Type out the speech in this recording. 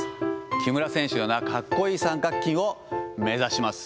木村選手のようなかっこいい三角筋を目指します。